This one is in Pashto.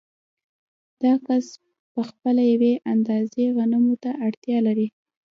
دا کس په خپله یوې اندازې غنمو ته اړتیا لري